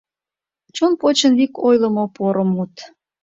Чон почын вик ойлымо поро мут: